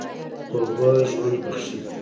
اوبه ژوند بښي.